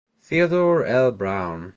Theodore L. Brown.